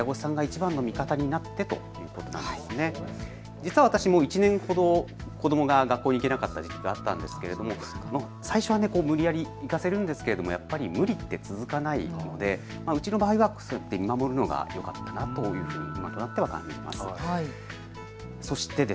実は私も、１年ほど子どもが学校に行けなかった時期があったんですけれども最初は無理やり行かせるんですけどもやっぱり無理って続かないので、うちの場合は見守るのがよかったなというふうに今となっては感じます。